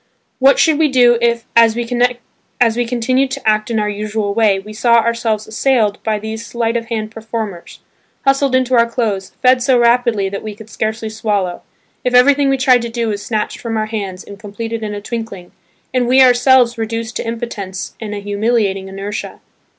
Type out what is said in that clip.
What should we do if, as we continued to act in our usual way, we saw ourselves assailed by these sleight of hand performers, hustled into our clothes, fed so rapidly that we could scarcely swallow, if everything we tried to do was snatched from our hands and completed in a twinkling and we ourselves reduced to impotence and to a humiliating inertia?